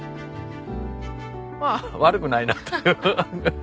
まあ悪くないなっていう。